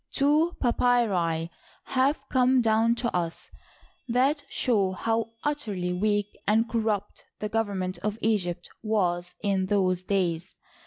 Two papyri have come down to us that show how utterly weak and corrupt the government of Egypt was in those days.